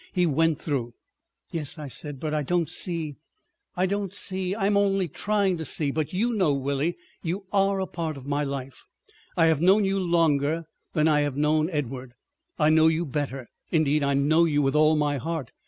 he went through." "Yes," I said, "but I don't see———" "I don't see. I'm only trying to see. But you know, Willie, you are a part of my life. I have known you longer than I have known Edward. I know you better. Indeed I know you with all my heart.